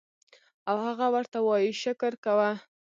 او هغه ورته وائي شکر کوه